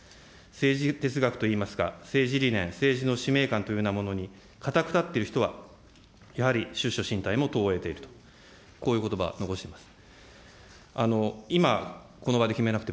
政治哲学といいますか、政治理念、政治の使命感というものにかたくなっている人はやはり出処進退もこういうことば、残しております。